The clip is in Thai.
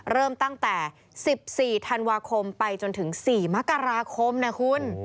เริ่มตั้งแต่๑๔ธันวาคมไปจนถึง๔มกราคมนะคุณ